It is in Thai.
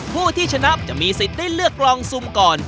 ผู้ที่ชนะจะมีสิทธิ์ได้เลือกลองซุมก่อน